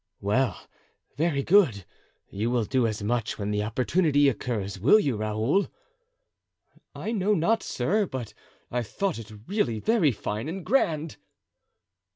"Well, very good; you will do as much when the opportunity occurs, will you, Raoul?" "I know not, sir, but I thought it really very fine and grand!"